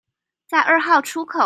在二號出口